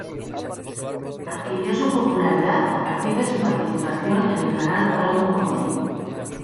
Adquirió su popularidad a partir de su participación en el canal Paramount Comedy.